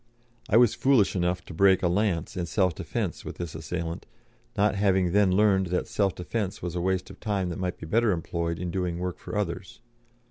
I was foolish enough to break a lance in self defence with this assailant, not having then learned that self defence was a waste of time that might be better employed in doing work for others.